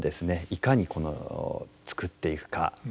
いかに作っていくか。